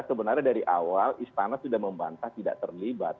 sebenarnya dari awal istana sudah membantah tidak terlibat